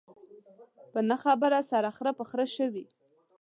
په نه خبره سره خره په خره شوي.